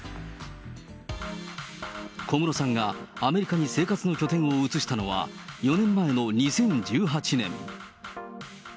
小室さんがアメリカに生活の拠点を移したのは、４年前の２０１８年。